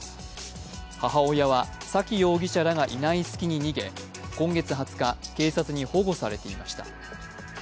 母親は沙喜容疑者らがいない隙に逃げ今月２０日、警察に保護されていました。